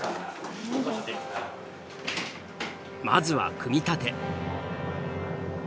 まずは組み立て。